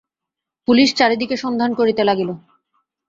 Police চারি দিকে সন্ধান করিতে লাগিল।